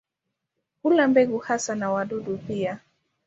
Hula mbegu hasa na wadudu pia.